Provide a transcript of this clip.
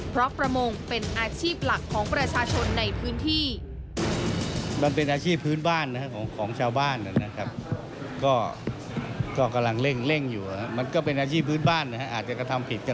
เพราะประมงเป็นอาชีพหลักของประชาชนในพื้นที่